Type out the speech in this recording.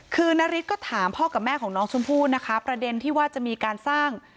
คือนาริสก็ถามพ่อกับแม่ของน้องชมพู่นะคะประเด็นที่ว่าจะมีการสร้าง